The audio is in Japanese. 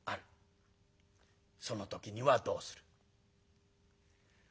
その時にはどうする？」。